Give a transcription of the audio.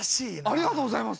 ありがとうございます。